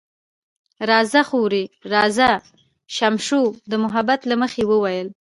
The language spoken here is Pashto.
راځه خورې، راځه، شمشو د محبت له مخې وویل.